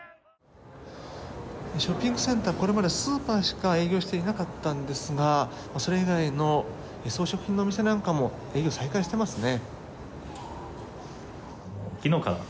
ショッピングセンターこれまではスーパーしか営業していなかったんですがそれ以外の装飾品の店なども営業を再開していますね。